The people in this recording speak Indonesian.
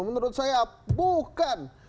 menurut saya bukan